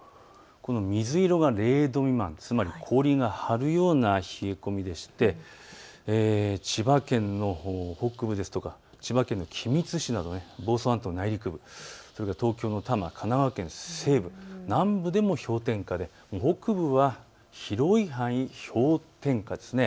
水色が０度未満、つまり氷が張るような冷え込みでして千葉県の北部ですとか千葉県の君津市など房総半島内陸部、それから東京の多摩、神奈川県西部や南部でも氷点下で北部は広い範囲で氷点下ですね。